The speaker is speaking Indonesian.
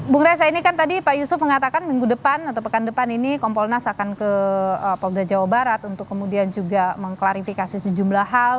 bung reza ini kan tadi pak yusuf mengatakan minggu depan atau pekan depan ini kompolnas akan ke polda jawa barat untuk kemudian juga mengklarifikasi sejumlah hal